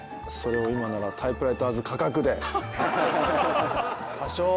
それを今なら『タイプライターズ』価格で多少。